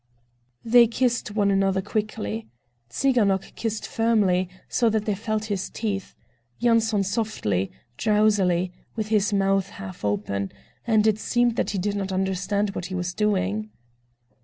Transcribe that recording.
They kissed one another quickly. Tsiganok kissed firmly, so that they felt his teeth; Yanson softly, drowsily, with his mouth half open—and it seemed that he did not understand what he was doing.